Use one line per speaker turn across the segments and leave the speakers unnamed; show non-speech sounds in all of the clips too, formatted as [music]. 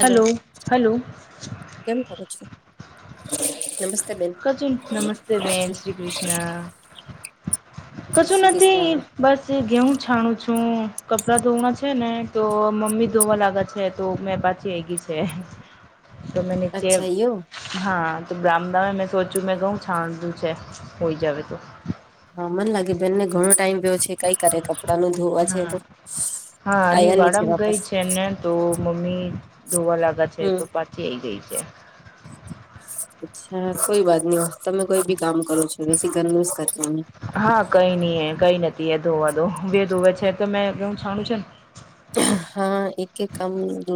Hello hello.
કેમ કરું છું
કજ નમસ્તે બેેન શ્રી કૃષ્ણ.
જય
કસું
શ્રી
નથી
કૃષ્ણ
બસ જે ઘે હું છાણું છું કપડાં ધોવા છે ને તો મમ્મી ધોવા લાગ્યા છે તો મેં પાછા છે તો મેં નીચે
અચ્છા એવું
હા તો બ્રામદ મે સોચું મેં ઘઉં છાણધું છે હોઈ જવે તો.
હા મને લાગે બેનને ઘણો ટાઈમ પયો છે કઈ કરે કપડાં નું ધોવા છે તો
હાની
આયા ની છે
વાડામાં
વાપસ
ગઈ છેને તો મમ્મી ધોવા લાગ્યા છે
હમ
તો પાછ થઈ ગઈ છે,
અચ્છા કોઈ વાત નઈ તમે કોઈ બી કામ કરો છો બે ઘરનું જ કર.
હા કઈ નઈ કઈ નથી એ ધોવા દો બેે ધોવે છે તો મે છાણું છે ને.
હા એક એક કામ દ.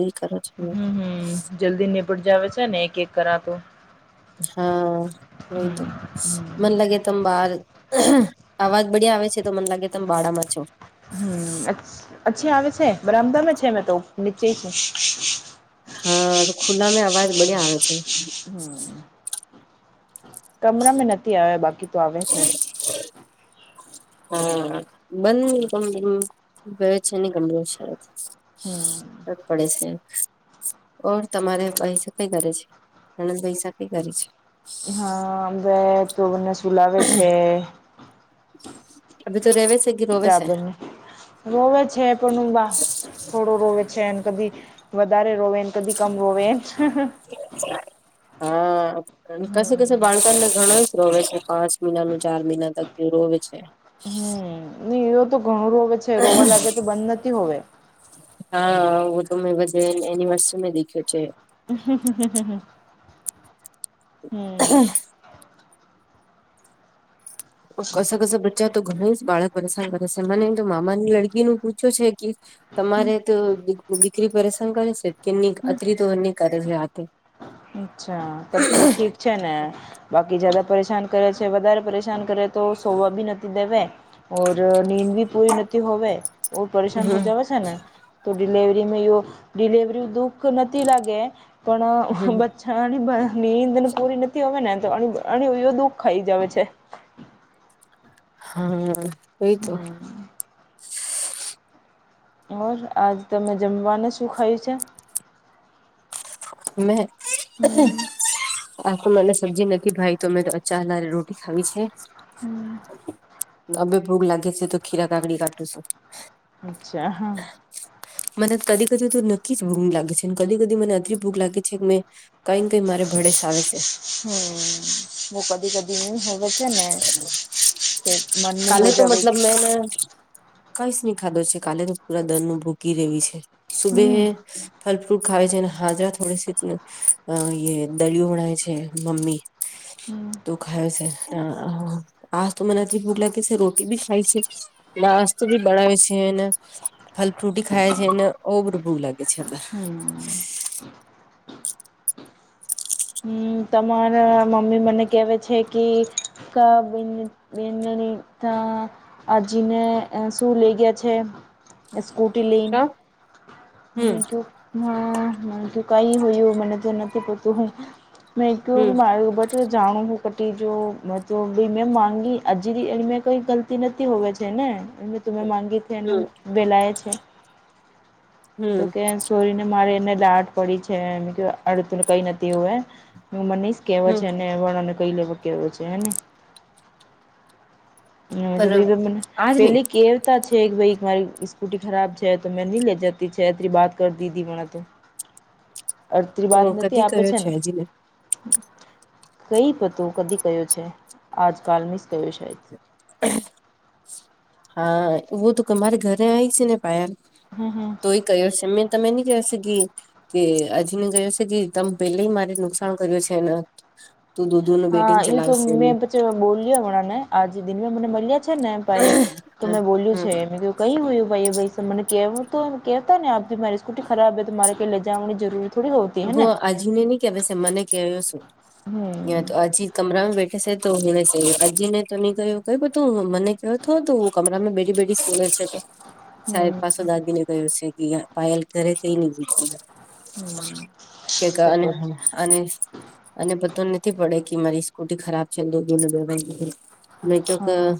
હમ્મ હમ્મ જલ્દીની પરજા છે ને એક એક કરા તો.
હા,
હમ
વયધો.
હમ
મન લાગે તમ બાર અવાજ બડ્યા આવે છે, તો મન લાગે તમે ભાડામાં છો [inaudible]
હમ્મ અચ્છી આવે છે, બરામદમે છે તો નીચે છે [unintelligible]
હા, તો ખુલ્લા મે અવાજ બડ્યા આવે છે. [unintelligible]
કમરામાં નથી આવ્યા બાકી તો આવે છે, [unintelligible]
હા, બંધ છે ને કમરું છે [unintelligible]
હમ
સર પડે છે, [unintelligible] ઓર તમારે ભાઈસા કઈ કરે છે, અણંદ ભાઈસા કઈ કરે છે, [unintelligible]
હા બે ઈ તો મને સુુંલાવેે છે, [unintelligible]
અભી તો રવે છે [unintelligible]
તબની [unintelligible] રોવે છે, પણ હું બા થોડો રોવે છે, કદી વધારે રોવેને [unintelligible] કબી કમ રોવે [unintelligible]
હા, કશે કશે બાળકો ને ઘણો શ રોવે છે, પાંચ મહિનાનું ચાર મહિના તક યુરોવે છે, [unintelligible]
હમ્મ નઈ એવ તો ઘણું રોવે છે, રોવા લાગે તો બંધ નથી હોવે [unintelligible]
હા, હું તો મેં બધ એનિવર્સરી મે દેખ્યો છે, [unintelligible]
[unintelligible]
[unintelligible]
હમ
[unintelligible] કસ કસ બચ્ચા તો ઘણી બાળક પરેશાન કરે છે, મને તો મામાની લડકી નું પૂછ્યું છે કે [unintelligible] તમારે તો દીકરી પરેશાન કરે છે કે ની અત્રી તો એની કરે છે હાથે
અચ્છા તબ તો ઠીક છે ને બાકી જદા પરેશાન કરે છે, વધારે પરેશાન કરે તો સોવા ભી નથી દેવે [unintelligible] ઓર નનીંદ ભી પૂરી નથી હોવેય ઓ પરેશાન હો [unintelligible]
હમ
જાવ છે, ને [unintelligible] તો ડીલેવરીમાં ડિલેવરી દુઃખ નથી લાગે પણ
હમ
[unintelligible] [unintelligible] નીંદને પૂરી નથી હો ને તો દુખ ખાઈ જ આવે છે
હા, એ તો
ઓર આજે તમે જમવાનું શું ખાયું છે,
[unintelligible]
હમ
મને સબ્જી નથી ભાઈ તો મેં તો અચારે રોટી ખાવી છે,
[unintelligible]
નવે ભુખ લાગે છે, તો કીરા કાકડી કાટુ છું
અચ્છા હા.
મને કદી કદી તો નક્કીજ ભૂખ લાગે છે કદી કદી મને અતલી ભૂખ લાગે છે કે મેં. કઈ કઈ મારે ભડેસ આવે છે,
હમ્મ, હું કદી કદી ન હ વસે ને કે મન હો જવે
[inaudible] કઈશમી ખાધો છે, કાલે તો પૂરા દર ન ભૂકી રેવી છે સુબે
હમ
ફ ફ્રૂટ ખાવ છે, અને હાજરા થોડે સ દરિયો ભણાય છે મમ્મી
હમ્મ
તો ખાય છે આ તો મને જે ભૂગ લાગે છે, રોટી બી ખાય છે ના વસ્તુ બી બનાવે છે એને ફલ ફ્રુટી ખાય છેને ઓબ રબૂું લાગે છે,
હમ હમ તમારા મમ્મી મને કહેવે છે કી ત આજીને શું લઇ ગયા છેકૂ. કિલીમ. મ
હમ
તો હ કઈ હોયું મને તો નથી પતું હું. મે
હમ હમ
માર બ. જાણું કટી જો ભી મે માઅ કોઈ. તી નથીતી હોવે છે ને એં તમે માગી છે એને વેલાય છે.
હમ
તો કે. ચોરીને મારે એને દાટ પડી છે મ અડતુંને કંઈ નથી હોવે હું મનીશ. કેવા
હમ
છે અને વ અને કઈ લેવો કેવ છે હેને. હ એ તો
પર
ભ મ
આજ નહી
પહેલી કે. પ છે કે ભાઈ તમારી સ્કૂટી ખરાબ છે તો મેં નહી લે જતા. છે એતરી વાત કરી દીધી પણણા તો અત્રી
તો
વાત નથી
કદી
આપે
કયો
છે ને.
હજીને
કઈ પતો કદી કયો છે આજકાલ મિસ કયો સાાયદ.
હા એવું તો તમારે ઘરે આવીય છે ને પાયલ.
હમ હમ.
તો એ કયો છે મેં તમે નની કશેી. કે અજીને કયો છે કે તમે પેલે મારે નુકસાન કર્યું છે એને. તું દૂધો નું
હા
બેટીને
એ તો
ચલાવશે એને.
મેં બોલ્યો હમણાં ને આજે દિનમાં મને મળ્યા છે ને પાયલ તો મેં બોલ્યું
હમ
છે એમ ક. કઈ હોયું ભાઈ ભાઈ મને કહેવું તો કેહેતા ને આપી મારી સ્કૂટી ખરાબ હ તો મારે કઈ લઈ જવાની જરૂરી થોડી હો.
અજીને નહી કે ભ મને ક્યો શું
હમ
તો અજી. કમરામાં બેઠે છે તો હને ક અજીને તો ન કહયો ક તું મને ક હતો ત. કમરામાં બેડી બેડી સુને છે તો.
[inaudible]
સાહેદ પાછો દાદી ને કહયો છે કે પાયલ ઘરે ક ન જીતી.
હમ
કે
તો
અને હ.
પછી
અને અને બતો નથી પડે કે મારી સ્કૂટી ખરાબ છે ગવા. નહી તોક
હા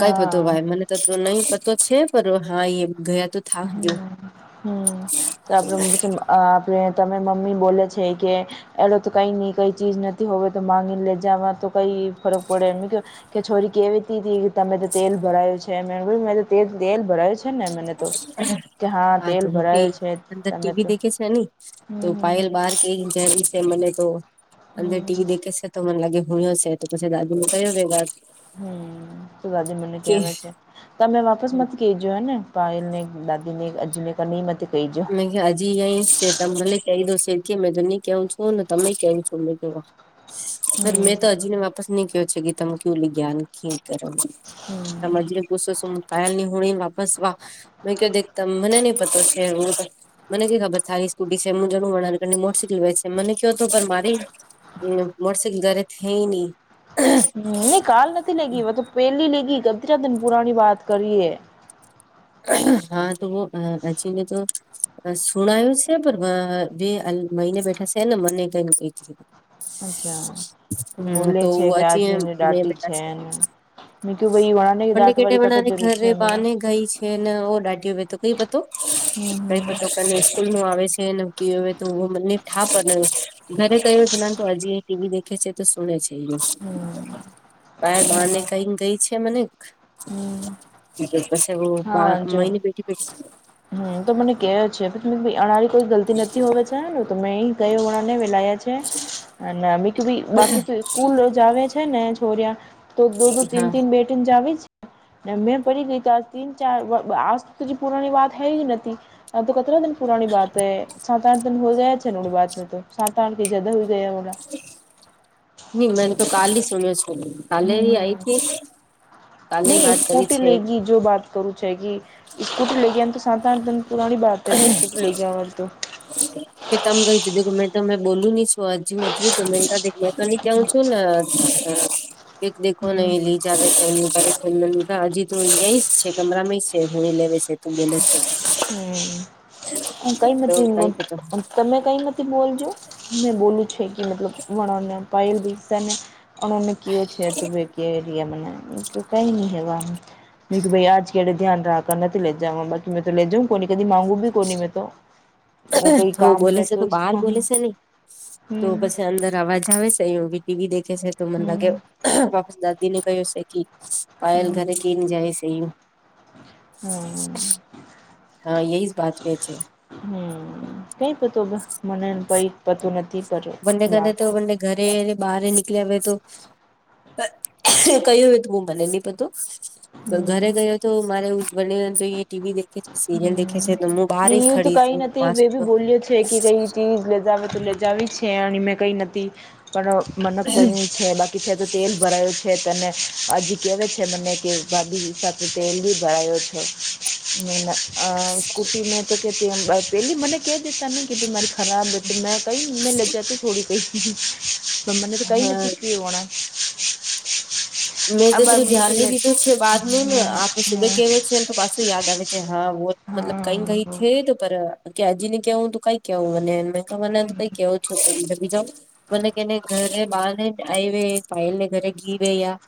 કઈ બતો
હા
ભાઈ મને. તો તો ન પતો છે પણ હા એ ગયા તો
હમ
થાજુ.
હમ આપડ આપે તમે મમ્મી બોલે છે કે. એલો તો કઈ નઈ કઈ ચીજ નથી હોવે તો માંગીને લેજવા તો કઈ ફરક પડે એ. કે છોરી કેવીતી હતી તમે તો તેલ ભરાયું છે મે મે તેલ ભરાયું છે. ને મને તો
હ.
કે
હા તો
તેલ
કઈ
ભરાયો છે
અંદર
તમે તો
ટીવી દેખે છે ને તો
હમ
પાયલ બાર કે. મને તો
હમ
અંદર ટીવી દેખે છે તો મને લાગે હયયો છે તો પછી દાદીને કહ્યો વાત.
હમ તો દાદી મને ક વ છે ત મે વાપસ મત. કે જો હૈ ને પાયલ દાદીને અજીને ક નહીમતે કહી જ.
મે હજી અં છે તમે ભલે કહી દો છે કે મે જની કેવ છું ને તમે કેવ છો મે જોવા.
હમ
સર મેં તો હજીને વાપસ ન કહ્યો છે કે તમે કેવલી જ્ઞાન ક કરો.
હમ.
મજને પૂછો છું હું કાયલ ની હોડી વાપસવા મેં ક દેખતા મને નહ પતો છે હ. મને ક ખબર થારી સ્કૂટી છે હું જ મળની મોટર સાઇકલ વ છે મને કયો હતોું પણ મારી. એ મોટર સાઇકલ ગરે થ.
હ નહી કાલ નથી લેગ મ તો પેલી લેગ કે ત દન પુરાની વાત કરીે.
હા તો અચિને તો સુણાયું છે પણ બે. મહિને બેઠા છે ને મને કઈ.
અચ્છા
હમ
બોલે
તો
છે કે
અછીએ
આજીને
મે
દાટી
બેટા.
છે એને મેં કું ભાઈ વણાને
પણંડ
દાટ
કેટે
વાળી કટ
બનાને
જરૂર
ઘરે
છે મને
બાને ગઈ છે. [unintelligible] હ દાઢ કઈ પતો. [unintelligible]
હમ.
કઈ કોઈ પ્રકારની સ્સ્કૂલ નું આવે છે નકી તોું મને થઠાપ. [unintelligible] ઘરે કહ્યો જ ના હજી એ ટીવી દેખે છે તો સુને છે એનું.
હમ હમ.
પ બારને
હા
કઈ ગઈ છે મને
હમ
પછ.
હા જો હમ તો મને કે છે અળ. કોઈ ગલતી નથી હોવે ચ તો મેં અહીં ગયો વણા ને વેલાયા છે. અનેમ ભી બાકી તો સ્કૂલ જ આવે છે ને છોરિયા. [unintelligible] [unintelligible] [unintelligible] [unintelligible] [unintelligible] તો દો દો તીન
હા
તીન બેટીને જ આવી છે મેં પડી ગય ત. [unintelligible] [unintelligible] તન ચાર આજ પુરાની વાત હ જ નથી. આ તો કેતલા દન પુરની બાત હૈ સાતઠ [unintelligible] હોય ગયા છે વાત ને તો સાતણ કે જદા હોઈ ગયા. [unintelligible]
નહી મે તો કાલ હ સુન્યા છો કાલે
હમ
હ
હમ
આઈ હતી. [unintelligible] કાલ ની
નહી
વાત કરી
સ્કૂટી
છે. [unintelligible]
લેગી જો વાત કરું છે કે સ્કુટર લઈ ગ એમ તો સાત પુરાણી બાત. [unintelligible] તનીસ કુટલી ગયાવા તોું. [unintelligible]
કે તમ ગય તધુંમે તો તમે બોલું નહી છો હજુ મધ તમે. [unintelligible] મેં તની ક્યાવ છું ને એકક દેખવા ન
હમ
એલી. [unintelligible] જ્યારે એમા હજી તો અયા છે કમરા માં છે હણી લે છે તું બોલે છે.
હમ. હું કઈ
તો
નથી
કઈ તો
તમે કઈ નથી બોલજો મેં બોલું છે. કે મતલબ વ પલ ભ ઓ કેયો છે ત કે. મને કનીવા. મ ભાઈ આજ કેડે ધ્યાન રા કર ના તો લેજવા બાકી મે તો લેજાવું કો કદી માગુ બ કોની મે તો. તો. [unintelligible]
તો
કામ
બોલે
વે
છે તો બહાર બોલે
હમ
છે નહી.. [unintelligible] તો
હમ
પછી અંદર અવાજ આવે છે અ બી ટીવી દેખે છે તો મને લાગે બાપા દાદ. ને કહ્યું છે કે પાયલ
હમ
ઘરે કને જાય છે યું.
હમ
હા એહી બાત પે છે.
હમ કઈક તો મને પઈ.
બંને કે તો બંને ઘરે બહાર નિકલે્યા ભવે તો. [unintelligible] કયું એ તું હું મને એની પધું. [unintelligible] ઘરે
હમ
ગયો તો મારે ઉ બને તો ટીવી દેખે. છે
હ
સિરિયલ દેખે છે તો હું
ન
બહાર
એ
જ
તો
ખડી
કઈ
છું
નથી
માસું
બી
તો
બોલ્યો છે કે કઈ ચીજ લેતા તો લે. મજાવી છે અને મેં કંઈ નથી પણ મને કયું છે બાકી છે તો તેલ ભરાયું. છે તને આજ કેવા છે મને કે ભાભી સાથે તેલ બી ભરાો છો. અ કુપી મે ચ કે એલી મને ક કે દશ ન ગીધ મારી. ખરાબેતે મે કહી મે લેજા તું થોડી કઈ પણ્ને તો કહી ને
હા
તું કેવાના [inaudible]
મેં તો થોલું ધ્યાન ઈ દીધું છે બાદ નું ને આખો સુબે કેો છેને. તો પાછું યાદ આવે છે હા વો
હા
મતલબ કઈ
હા
કઈ થ તો. કે હજી ને કેહવ હું તું કઈ કેવ હ મને એ મને કઈ કેવો છો બીજા મને કેને ઘરે બહાર ને. આય હ પાયલ ને ઘરે ઘી ગ યા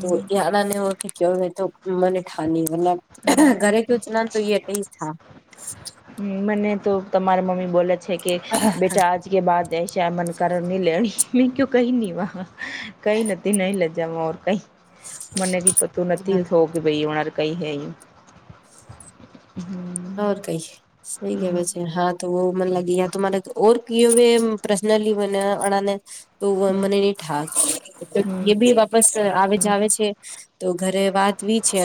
તો યાદાને હો કે ક તો. મને ઠા મ ઘરેથી ઉત નાન તો ટ થ.
હ મને તો તમારા મમ્મી બોલે છે કે બેટા આજ. કે બા એસા અ મન કરની લેણી મેં કું કહી ન કહી નથી. નહી લજાર કઈ મને કે પતું નથી થો કે ભાઈ ઓર કઈ હ [inaudible]
હોર કઈ. સઈ કેવાય છે હા તો મને લાગે યા તો મારે ઓર ક પર્સનલી મને અને. તો મને ઠા તો ભી. બસ આવે જ આવે છે, તો ઘરે વાતવી છે.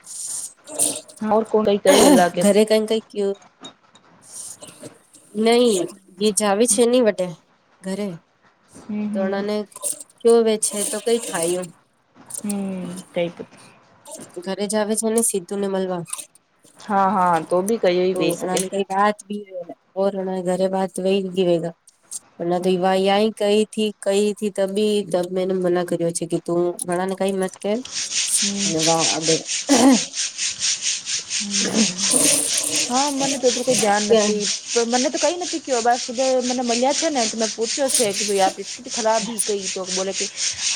[inaudible]
મોર કોઈ
ઘરે કઈ કઈ કુ નઈ એ જાવ છે. એ નની વ ઘરે
હમ હમ
તોણાને ચવે છે, તો કઈ ખાયું
હમ કઈપ
ઘરે જ આવે છેને, સીધું ને મળવા
હા-હા તો બી ક વહી શકે
રાત ગીવે હોરણા, ઘરે બાત વહી ગીવેગ પણ ના તો
હમ
વા યાય કઈ થી કઈથી તબી તમે એને મના કર્યો છે. કે તું ભણા ને કઈ મસ્ કે વા અ
હમ હા મને તોટલું કોઈ જાન નથી. તો મને તો કઈ નથી કયો બસ સુધ મને મળ્યા છેને ત મેં પૂછ્યો છે. કે ભાઈ આપ સ્થિતિ ખરાબી કઈ તો બોલોલે કે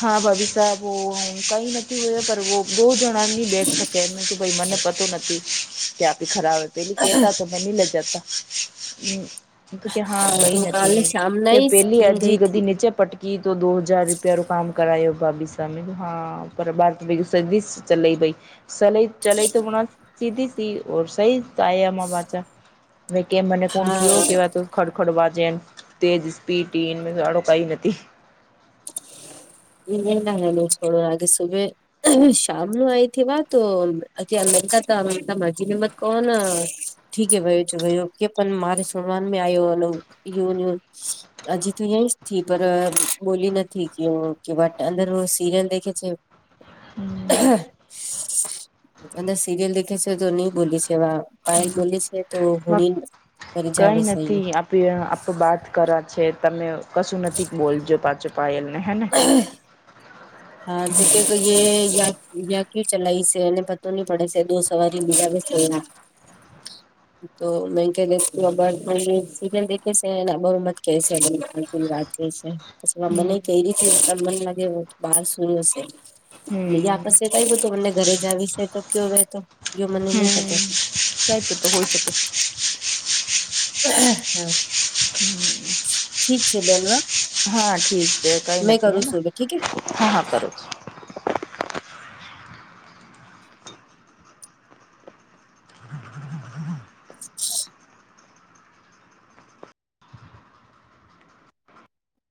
હા, ભાભી સાહેબ કઈ નથી હોયા પર બો જણ બેકે એમ કે ભ મને પતો નથી કે આપે ખરાબ હો પેલી કેતા ની લજતા હમ કે હા કઈ
તું કાલે
નથી
શામ
કે
ના
પેલી
સ્કીન ગઈ
હજી ગધી
હતી
નીચે પટકી કે તો દો હજાર રૂપિયા રો કામ કરાય ભાભી સામે હા પર સદીશ ચ ભાઈ સલે ચલેઈ તો બણા સીધી સી સહી તયામા વાચા મે કે મને કોણ
હા
કેવ કેવા ત [unintelligible] ખડખડ વાજન તેજ સ્પીડ ટ એ સઝાડો કઈ નથી. [unintelligible]
એના નિ છોડ રગ સુભવે [unintelligible] શમનું આવીયથી વા તો હજી અલંકા તો અલંકા માજી હિંમત કોના ઠીકે ભાઈ ભાઈ ઓકે પણ મારે સનવાન મેં આવ્યો વનન હજી તો અયાં જ થી પર બોલી નથી. ઠીક ય ઓકે બટ અંદર સીરયલ દેખે છે. [inaudible] અંદર સિરિયલ દેખે છે તો નહી બોલી છે પાયલ બોલી છે. તો હોણી ફરી જ
કઈ
આવે સહી
નથી આપ આપ બાદ કરા છે, તમે કશું નથી બોલજો પાછો પાયલ ને હે ને [unintelligible]
હા, જે કે કઈ [unintelligible] એયા યા કયુ ચલાય છે એને પતો નહી પડે છે દો સવારી બિલાવે છે. [unintelligible]
[unintelligible]
તો મેંક દેશ સીરયલ દેખે છે એ બરમત કે છે વાત કે છે. પ
હમ
મને કઈ રીતે મને લાગે બહાર સુયું હશે. બ
હમ
પસે કઈ બધું મને ઘરે જ આવી છે, તો કયો વ તો એ મને નઈ પતો [unintelligible]
જઈ શ તો હોઈ, શકે [unintelligible]
હા [unintelligible]
[unintelligible]
ઠીક છે, બેન [unintelligible]
હા ઠીક છે, કઈ
મેં
નથી
કરું
હેના
છું અવે ઠીક હે
હા હા કરો છ. [unintelligible]
[unintelligible]